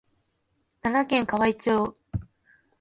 奈良県河合町